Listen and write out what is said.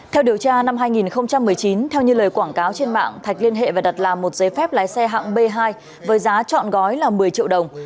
theo điều tra năm hai nghìn một mươi chín theo như lời quảng cáo trên mạng thạch liên hệ và đặt làm một giấy phép lái xe hạng b hai với giá trọn gói là một mươi triệu đồng